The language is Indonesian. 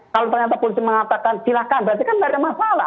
kalau ternyata polisi mengatakan silahkan berarti kan tidak ada masalah